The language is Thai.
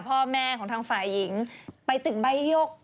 พ่อแม่ของทางฝ่ายหญิงไปถึงใบยก